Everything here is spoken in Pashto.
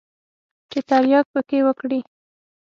چې ترياک پکښې وکري.